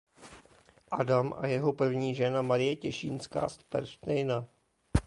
Adam a jeho první žena Marie Těšínská z Pernštejna.